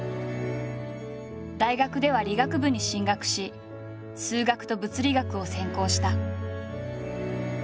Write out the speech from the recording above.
大学では理学部に進学し数学と物理学を専攻した。